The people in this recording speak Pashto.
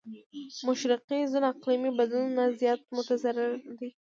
مشرقي زون اقليمي بدلون نه زيات متضرره دی.